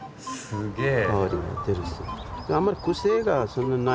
すげえ。